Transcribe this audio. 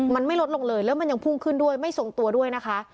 มันไม่ลดลงเลยแล้วมันยังพุ่งขึ้นด้วยไม่ทรงตัวด้วยนะคะ